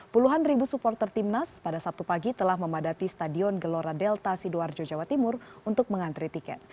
puluhan ribu supporter timnas pada sabtu pagi telah memadati stadion gelora delta sidoarjo jawa timur untuk mengantri tiket